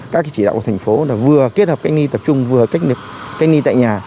các chỉ đạo của thành phố là vừa kết hợp cách ly tập trung vừa cách ly tại nhà